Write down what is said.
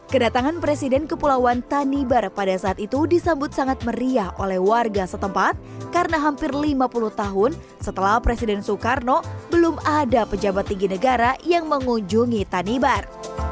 kedatangan presiden kepulauan tanibar pada saat itu disambut sangat meriah oleh warga setempat karena hampir lima puluh tahun setelah presiden soekarno belum ada pejabat tinggi negara yang mengunjungi tanibar